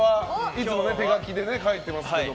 いつも手書きで書いてますけど。